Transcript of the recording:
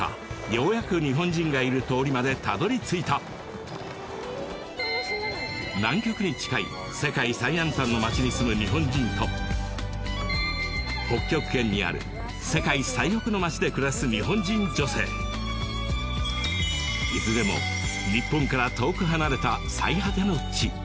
ようやく日本人がいる通りまでたどり着いた南極に近い世界最南端の町に住む日本人と北極圏にある世界最北の町で暮らす日本人女性いずれも日本から遠く離れた最果ての地